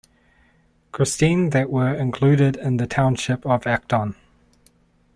Christine that were included in the township of Acton.